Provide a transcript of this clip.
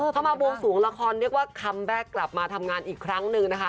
เข้ามาบวงสวงละครเรียกว่าคัมแบ็คกลับมาทำงานอีกครั้งหนึ่งนะคะ